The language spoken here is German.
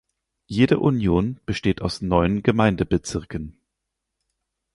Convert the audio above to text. Jede Union besteht aus neun Gemeindebezirken ("wards").